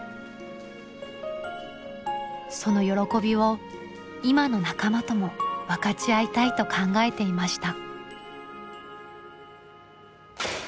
その喜びを今の仲間とも分かち合いたいと考えていました。